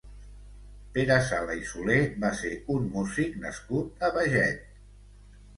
Pere Sala i Solé va ser un músic nascut a Beget.